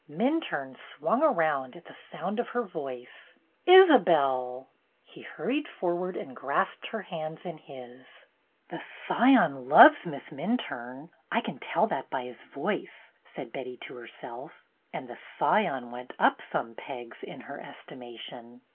'' Minturne swung around at the sound of her voice. "Isabelle!" He hurried forward and grasped her hands in his. "The Scion loves Miss Minturne. I can tell that by his voice," said Betty to herself, and the Scion went up some pegs in her estimation.